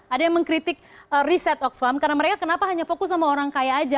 ada yang mengkritik riset oxfam karena mereka kenapa hanya fokus sama orang kaya aja